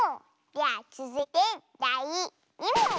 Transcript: ではつづいてだい２もん！